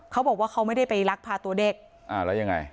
เขาบอกว่าเขาไม่ได้ไปลักพาตัวเด็กอ่าแล้วยังไง